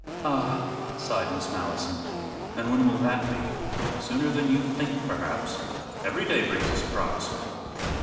"Ah!" sighed Miss Malleson. "And when will that be?" "Sooner than you think, perhaps. Every day brings a surprise."